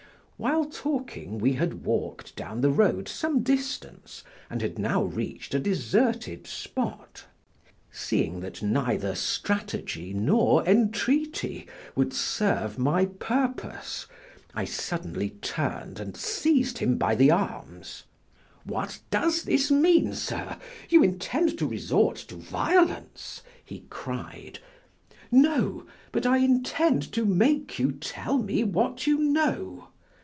While talking, we had walked down the road some distance and had now reached a deserted spot. Seeing that neither strategy nor entreaty would serve my purpose, I suddenly turned and seized him by the arms. "What does this mean, sir? You intend to resort to violence?" he cried. "No, but I intend to make you tell me what you know."